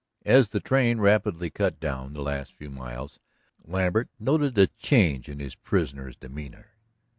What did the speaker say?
As the train rapidly cut down the last few miles, Lambert noted a change in his prisoner's demeanor.